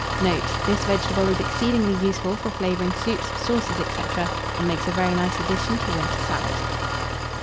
Note. This vegetable is exceedingly useful for flavouring soups, sauces, &c., and makes a very nice addition to winter salad.